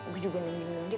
gue juga nunggu nunggu dia